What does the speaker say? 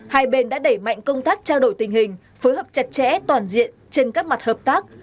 hai bên đã đẩy mạnh công tác trao đổi tình hình phối hợp chặt chẽ toàn diện trên các mặt hợp tác